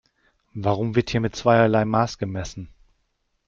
Warum wird hier mit zweierlei Maß gemessen?